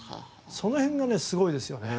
その辺がねすごいですよね。